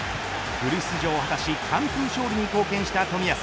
フル出場を果たし完全勝利に貢献した冨安。